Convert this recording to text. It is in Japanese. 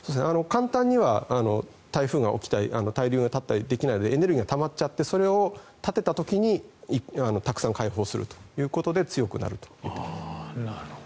簡単には台風が起きたり対流が立ったりできないのでエネルギーがたまっちゃってそれを立てた時にたくさん解放するということで強くなると。